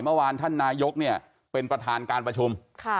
เมื่อวานท่านนายกเนี่ยเป็นประธานการประชุม